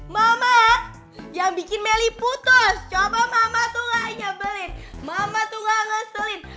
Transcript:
mama yang bikin melih putus coba mama tuh gak nyebelin mama tuh gak ngeselin